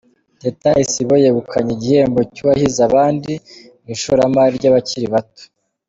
Teta Isibo yegukanye igihembo cy’uwahize abandi mu ishoramari ry’abakiri bato